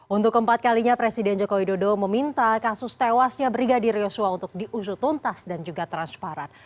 untuk keempat kalinya presiden joko widodo meminta kasus tewasnya brigadir yosua untuk diusut tuntas dan juga transparan